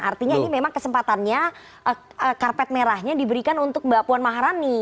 artinya ini memang kesempatannya karpet merahnya diberikan untuk mbak puan maharani